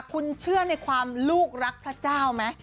คุณเชื่อในความลูกรักพระเจ้าไหม